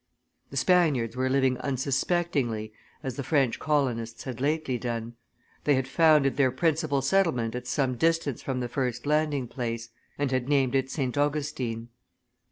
The Spaniards were living unsuspectingly, as the French colonists had lately done; they had founded their principal settlement at some distance from the first landing place, and had named it St. Augustine.